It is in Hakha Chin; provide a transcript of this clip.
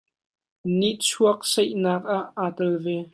Nihchuak saihnak ah aa tel ve.